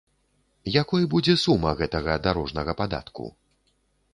Якой будзе сума гэтага дарожнага падатку?